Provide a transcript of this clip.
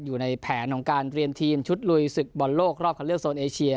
อยู่ในแผนของการเตรียมทีมชุดลุยศึกบอลโลกรอบคันเลือกโซนเอเชีย